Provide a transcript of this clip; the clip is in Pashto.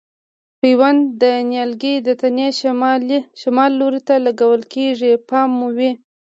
پیوند د نیالګي د تنې شمال لوري ته لګول کېږي پام مو وي.